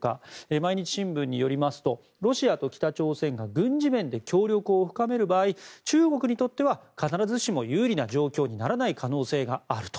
毎日新聞によりますとロシアと北朝鮮が軍事面で協力を深める場合中国にとっては必ずしも有利な状況にならない可能性があると。